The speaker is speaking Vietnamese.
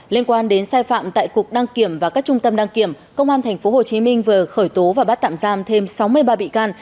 liên quan đến sai phạm tại cục đăng kiểm và các trung tâm đăng kiểm công an tp hcm vừa khởi tố và bắt tạm giam thêm sáu mươi ba bị can